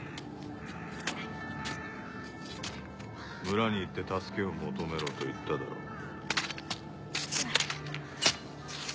村に行って助けを求めろと言っただろう？